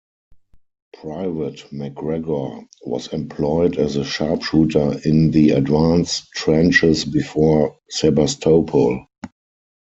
Private McGregor was employed as a sharpshooter in the advance trenches before Sebastopol.